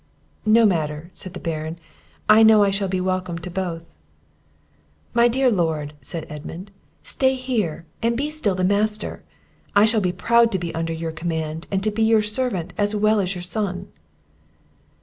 "No matter," said the Baron; "I know I shall be welcome to both." "My dear Lord," said Edmund, "stay here and be still the master; I shall be proud to be under your command, and to be your servant as well as your son!"